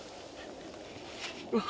うわ！